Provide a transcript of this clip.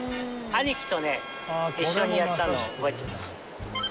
兄貴とね一緒にやったのを覚えてます。